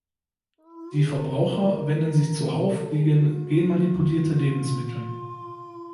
Die Verbraucher wenden sich zuhauf gegen genmanipulierte Lebensmittel.